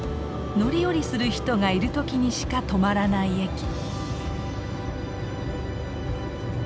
乗り降りする人がいる時にしか止まらない駅。